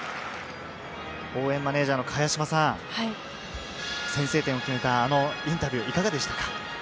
応援マネージャーの茅島さん、先制点を決めたインタビュー、いかがでしたか？